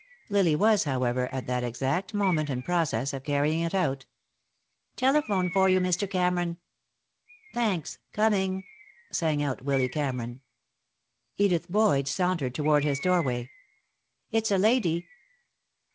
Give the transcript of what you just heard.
Lily was, however, at that exact moment in process of carrying it out. "Telephone for you, Mr. Cameron." "Thanks. Coming," sang out Willy Cameron. Edith Boyd sauntered toward his doorway. "It's a lady."